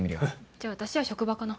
じゃあ私は職場かな。